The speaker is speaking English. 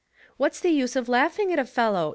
What's the use of laughing at a fellow ?